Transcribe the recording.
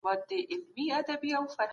احترام له سپکاوي څخه غوره دی.